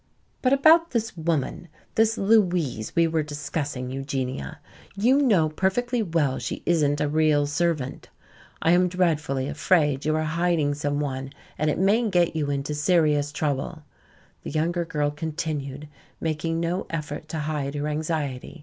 "But about this woman, this 'Louise', we were discussing. Eugenia, you know perfectly well she isn't a real servant. I am dreadfully afraid you are hiding some one and it may get you into serious trouble," the younger girl continued, making no effort to hide her anxiety.